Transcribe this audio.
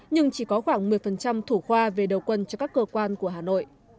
nhưng chỉ có khoảng một mươi thủ khoa về đầu quân cho các cơ quan của hà nội